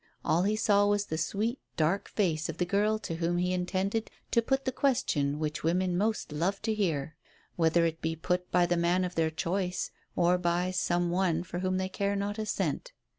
All he saw was the sweet, dark face of the girl to whom he intended to put the question which women most love to hear; whether it be put by the man of their choice or by some one for whom they care not a cent.